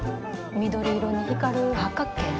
緑色に光る八角形の。